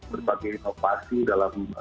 berbagai inovasi dalam